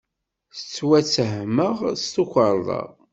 Ttwattehmeɣ s tukerḍa.